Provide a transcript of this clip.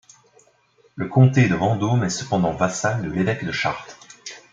Le comté de Vendôme est cependant vassal de l'évêque de Chartres.